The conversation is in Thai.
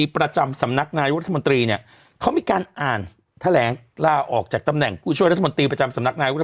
พลัสวันนี้กูศึกเสกศส